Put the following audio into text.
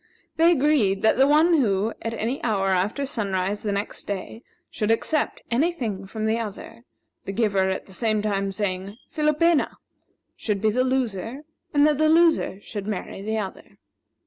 They agreed that the one who, at any hour after sunrise the next day, should accept any thing from the other the giver at the same time saying "Philopena!" should be the loser, and that the loser should marry the other.